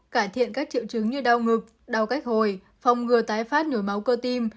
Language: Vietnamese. cải thiện các triệu chứng như đau ngực đau cách hồi phòng ngừa tái phát nhồi máu cơ tim